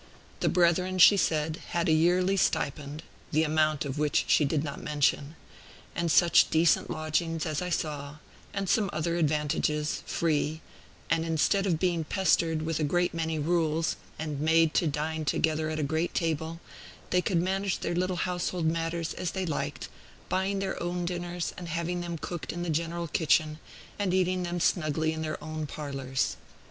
The brethren, she said, had a yearly stipend (the amount of which she did not mention), and such decent lodgings as I saw, and some other advantages, free; and, instead of being pestered with a great many rules, and made to dine together at a great table, they could manage their little household matters as they liked, buying their own dinners and having them cooked in the general kitchen, and eating them snugly in their own parlors.